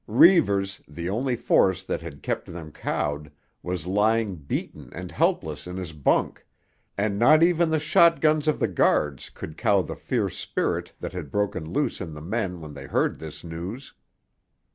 Reivers, the only force that had kept them cowed, was lying beaten and helpless in his bunk, and not even the shotguns of the guards could cow the fierce spirit that had broken loose in the men when they heard this news.